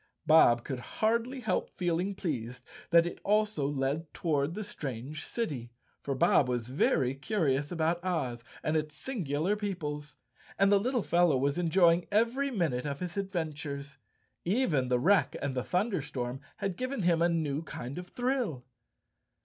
Bob could hardly help feeling pleased that it also led toward the strange city, for Bob was very curious about Oz and its singular peoples, and the little fellow was enjoying every minute of his adventures. Even the wreck and the thunderstorm had given him a new kind of thrill.